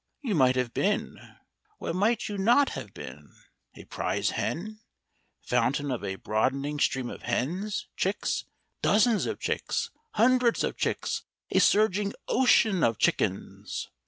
You might have been what might you not have been? A prize hen, fountain of a broadening stream of hens, chicks, dozens of chicks, hundreds of chicks, a surging ocean of chickens.